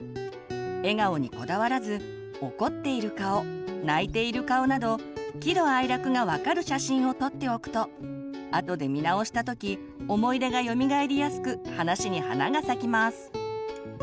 笑顔にこだわらず怒っている顔泣いている顔など喜怒哀楽が分かる写真を撮っておくとあとで見直した時思い出がよみがえりやすく話に花が咲きます。